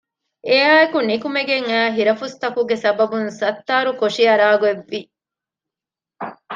އެއާއެކު ނިކުމެގެން އައި ހިރަފުސްތަކުގެ ސަބަބުން ސައްތާރު ކޮށި އަރާ ގޮތް ވި